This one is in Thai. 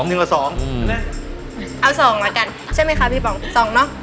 เอา๒มากันใช่มั้ยคะพี่ป๋อง๒เนาะ